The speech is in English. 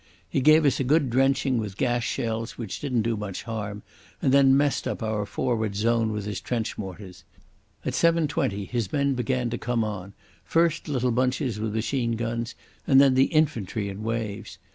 He gave us a good drenching with gas shells which didn't do much harm, and then messed up our forward zone with his trench mortars. At 7.20 his men began to come on, first little bunches with machine guns and then the infantry in waves.